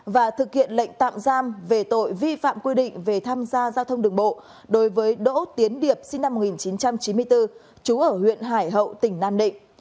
và thực hiện lệnh tạm giam về tội vi phạm quy định về tham gia giao thông đường bộ đối với đỗ tiến điệp sinh năm một nghìn chín trăm chín mươi bốn trú ở huyện hải hậu tỉnh nam định